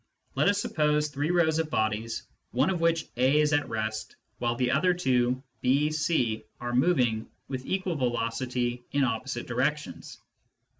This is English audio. Let us suppose three rows of bodies, one of which (A) is at rest while the other two (B, C) are moving with equal velocity in opposite directions.